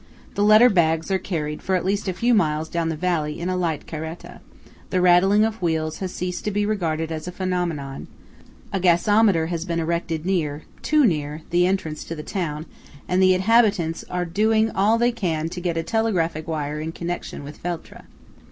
The letter bags are carried for at least a few miles down the valley in a light caretta; the rattling of wheels has ceased to be regarded as a phenomenon; a gasometer has been erected near (too near) the entrance to the town; and the inhabitants are doing all they can to get a telegraphic wire in connection with Feltre.